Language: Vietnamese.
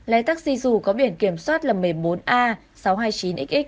lái taxi dù có biển kiểm soát là một mươi bốn a sáu trăm hai mươi chín x